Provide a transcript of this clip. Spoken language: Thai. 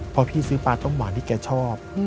พอพี่ซื้อปลาต้มหวานที่แกชอบ